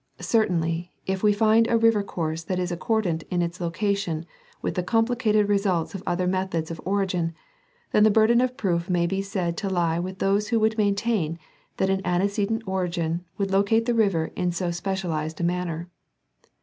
Certainly, if we find a river course that is accordant in its location with the complicated results of other methods of origin, then the burden of proof may be said to lie with those who would maintain that an antecedent origin would locate the river in so specialized a manner.